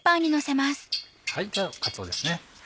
ではかつおですね。